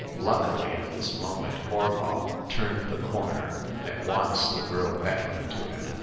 Luckily, at this moment Horval turned the corner, and at once the girl beckoned to him.